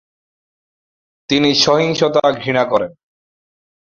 তিনি সহিংসতা ঘৃণা করেন।